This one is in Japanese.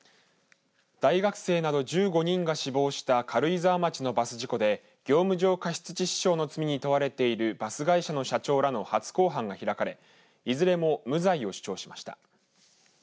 大学生など１５人が死亡した軽井沢町のバス事故で業務上過失致死傷の罪に問われているバス会社の社長らの初公判が開かれいずれも無罪を主張しました。